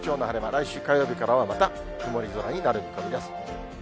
来週火曜日からは、また曇り空になる見込みです。